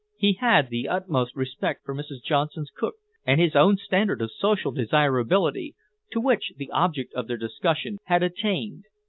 He had the utmost respect for Mrs. Johnson's cook, and his own standard of social desirability, to which the object of their discussion had attained.